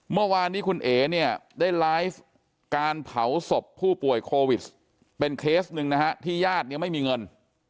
เมื่อวานนี้คุณเอ๋เนี่ยได้ไลฟ์การเผาศพผู้ป่วยโควิดเป็นเคสหนึ่งนะฮะที่ญาติเนี่ยไม่มีเงิน